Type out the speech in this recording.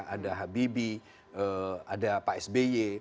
ada habibie ada pak sby